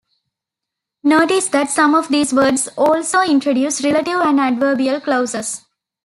Notice that some of these words also introduce relative and adverbial clauses.